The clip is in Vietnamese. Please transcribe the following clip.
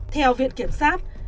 theo viện kiểm sát